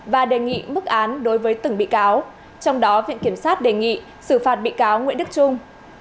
và đề nghị mức án đối với từng bị cáo trong đó viện kiểm sát đề nghị xử phạt bị cáo nguyễn đức trung